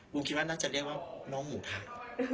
คิดว่าน่าจะเรียกว่าน้องหมูค่ะ